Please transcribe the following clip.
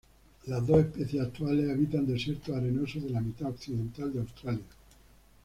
Las dos especies actuales habitan desiertos arenosos de la mitad occidental de Australia.